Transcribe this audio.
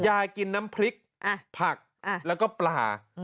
ยายกินน้ำพริกผักแล้วก็ปลา